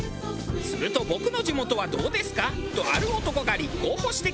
すると「僕の地元はどうですか？」とある男が立候補してきた。